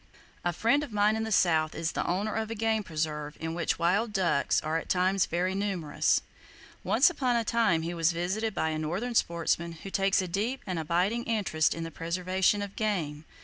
—A friend of mine in the South is the owner of a game preserve in which wild ducks are at times very numerous. Once upon a time he was visited by a northern sportsmen who takes a deep and abiding interest in the preservation of game.